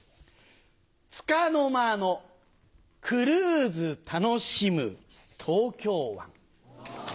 束の間のクルーズ楽しむ東京湾。